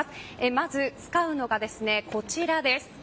まず使うのが、こちらです。